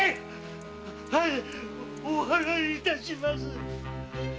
はいお払い致します。